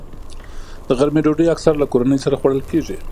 د غرمې ډوډۍ اکثره له کورنۍ سره خوړل کېږي